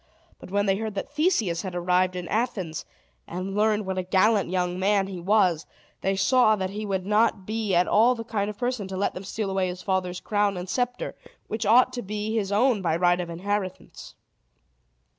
But when they heard that Theseus had arrived in Athens, and learned what a gallant young man he was, they saw that he would not be at all the kind of a person to let them steal away his father's crown and scepter, which ought to be his own by right of inheritance.